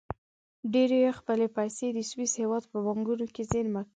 ډېری یې خپلې پیسې د سویس هېواد په بانکونو کې زېرمه کوي.